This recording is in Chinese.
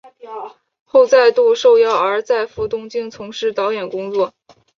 后再度受邀而再赴东京从事导演工作。